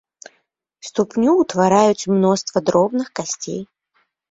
Ступню ўтвараюць мноства дробных касцей.